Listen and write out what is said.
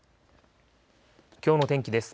きょうの天気です。